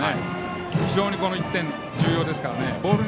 非常にこの１点、重要ですから。